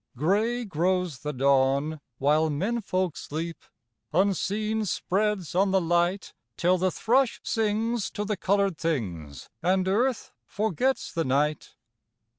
Grey grows the dawn while men folk sleep, Unseen spreads on the light, Till the thrush sings to the coloured things, And earth forgets the night.